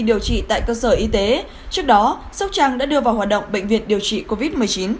điều trị tại cơ sở y tế trước đó sóc trăng đã đưa vào hoạt động bệnh viện điều trị covid một mươi chín